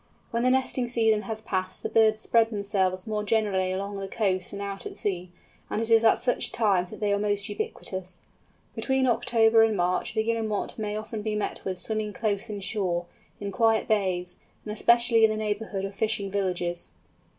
When the nesting season has passed the birds spread themselves more generally along the coast and out at sea, and it is at such times that they are most ubiquitous. Between October and March the Guillemot may often be met with swimming close in shore, in quiet bays, and especially in the neighbourhood of fishing villages.